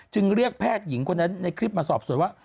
เรียกแพทย์หญิงคนนั้นในคลิปมาสอบสวนว่า